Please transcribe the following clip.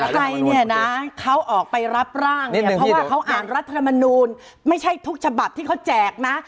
ใจเนี่ยนะเขาออกไปรับร่างเนี่ยเพราะว่าเขาอ่านรัฐธรรมนูลไม่ใช่ทุกฉบับที่เขาแจกนะ